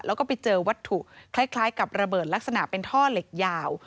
แล้วก็ไปเจอวัตถุคล้ายกับระเบิดลักษณะเป็นท่อเหล็กยาว